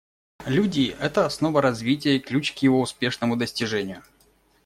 Люди — это основа развития и ключ к его успешному достижению.